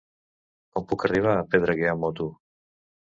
Com puc arribar a Pedreguer amb moto?